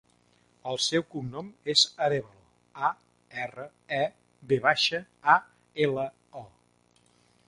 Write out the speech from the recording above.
El seu cognom és Arevalo: a, erra, e, ve baixa, a, ela, o.